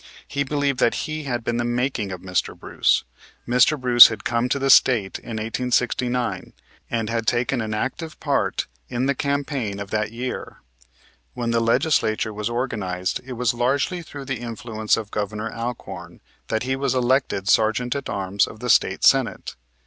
He believed that he had been the making of Mr. Bruce. Mr. Bruce had come to the State in 1869 and had taken an active part in the campaign of that year. When the Legislature was organized it was largely through the influence of Governor Alcorn that he was elected Sergeant at arms of the State Senate.